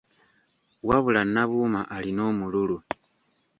Wabula Nabuuma alina omululu!